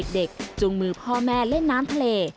เด็กจุงมือพ่อแม่เล่นน้ำน้ำตะเล